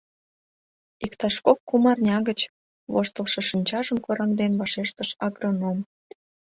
— Иктаж кок-кум арня гыч, — воштылшо шинчажым кораҥден, вашештыш агроном.